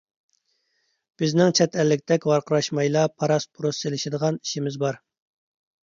بىزنىڭ چەت ئەللىكتەك ۋارقىراشمايلا پاراس-پۇرۇس سېلىشىدىغان ئىشىمىز بار.